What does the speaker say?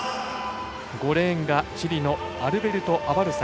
５レーンがチリのアルベルト・アバルサ。